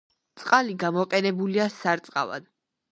წყალი გამოყენებულია სარწყავად.